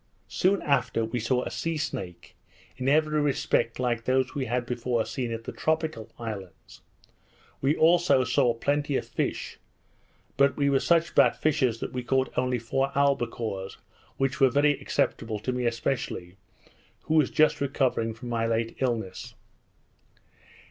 Soon after, we saw a sea snake, in every respect like those we had before seen at the tropical islands. We also saw plenty of fish, but we were such bad fishers that we caught only four albacores, which were very acceptable, to me especially, who was just recovering from my late illness.